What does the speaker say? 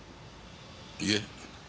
いえ。